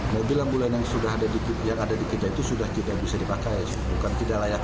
mobil ambulan yang sudah ada dikit yang ada dikit itu sudah tidak bisa dipakai bukan tidak layak